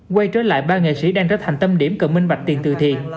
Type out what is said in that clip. quay trở lại ba nghệ sĩ đang trở thành tâm điểm cận minh mạch tiền tự thiện